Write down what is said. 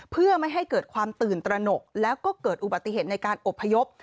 เพื่อไม่ให้เกิดความตื่นตระหนกแล้วก็เกิดอุบัติเหตุในการอบพยพ